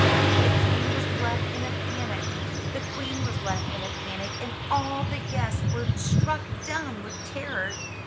The King was left in a panic; the Queen was left in a panic and all the guests were struck dumb with terror.